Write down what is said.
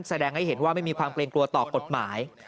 แสดงให้เห็นว่าไม่มีความเกรงกลัวต่อกฎหมาย